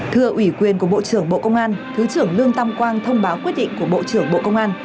thưa ủy quyền của bộ trưởng bộ công an thứ trưởng lương tam quang thông báo quyết định của bộ trưởng bộ công an